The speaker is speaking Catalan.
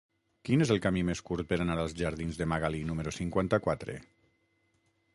Quin és el camí més curt per anar als jardins de Magalí número cinquanta-quatre?